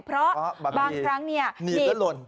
เพราะบางครั้งเนี่ยหนีบแล้วหล่น